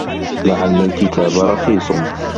لَعَلَّ الْكِتَابَ رَخِيصٌ.